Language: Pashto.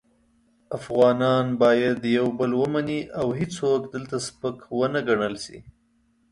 افغانان باید یو بل ومني او هیڅوک دلته سپک و نه ګڼل شي.